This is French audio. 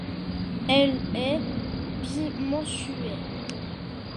Elle est bimensuelle.